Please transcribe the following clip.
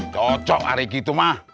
cocok hari gitu mah